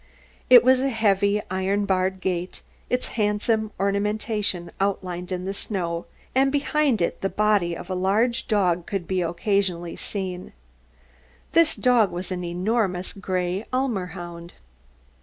It was a heavy iron barred gate, its handsome ornamentation outlined in snow, and behind it the body of a large dog could be occasionally seen. This dog was an enormous grey Ulmer hound.